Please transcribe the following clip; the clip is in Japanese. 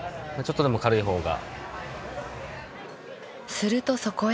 するとそこへ。